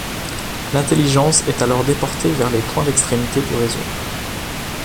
L'intelligence est alors déportée vers les points d'extrémité du réseau.